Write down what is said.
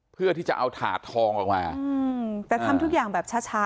เพื่อที่จะเอาถาดทองออกมาอืมแต่ทำทุกอย่างแบบช้าช้า